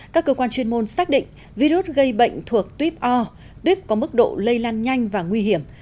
các cơ quan chuyên môn xác định virus gây bệnh thuộc tuyếp o tuyếp có mức độ lây lan nhanh và nguy hiểm